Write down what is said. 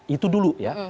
itu dulu ya